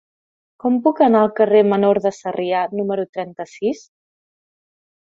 Com puc anar al carrer Menor de Sarrià número trenta-sis?